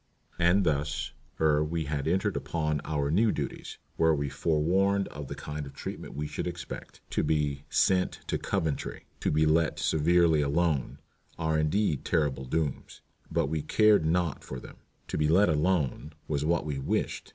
And thus, ere we had entered upon our new duties, were we forewarned of the kind of treatment we should expect. To be "sent to Coventry," "to be let severely alone," are indeed terrible dooms, but we cared naught for them. "To be let alone" was what we wished.